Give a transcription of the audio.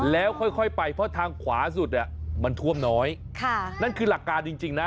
แล้วค่อยไปเพราะทางขวาสุดมันท่วมน้อยค่ะนั่นคือหลักการจริงนะ